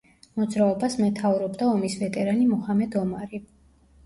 მოძრაობას მეთაურობდა ომის ვეტერანი მოჰამედ ომარი.